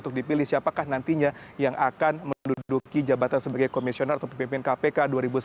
untuk dipilih siapakah nantinya yang akan menduduki jabatan sebagai komisioner atau pemimpin kpk dua ribu sembilan belas dua ribu dua puluh tiga